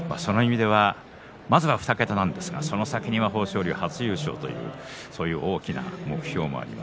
まずは２桁ですが、その先には豊昇龍初優勝という大きな目標もあります。